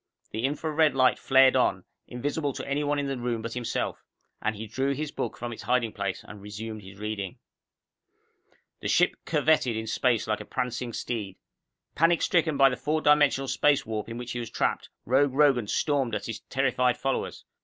The infra red light flared on, invisible to any one in the room but himself, and he drew his book from its hiding place and resumed his reading. _The ship curvetted in space like a prancing steed. Panic stricken by the four dimensional space warp in which he was trapped, Rogue Rogan stormed at his terrified followers.